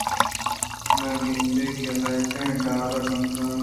داں گنداں کہ لہتیں ڈال ءُ ڈُونڈوار